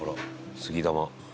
杉玉」